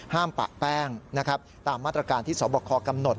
ห้ามปักแป้งตามมาตรการที่สวทธิ์บัคพรกำหนด